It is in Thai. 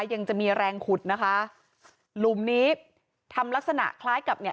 ยังจะมีแรงขุดนะคะหลุมนี้ทำลักษณะคล้ายกับเนี่ย